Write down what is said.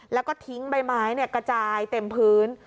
แล้วก็ทิ้งใบไม้กระจายเต็มพื้น